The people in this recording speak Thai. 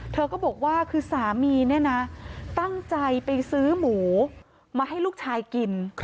เธอก็บอกว่าคือสามีเนี่ยนะตั้งใจไปซื้อหมูมาให้ลูกชายกิน